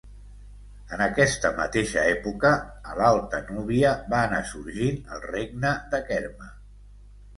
En aquesta mateixa època, a l'Alta Nubia, va anar sorgint el Regne de Kerma.